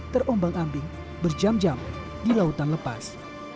terombang ambing berjam jam di lautan lepas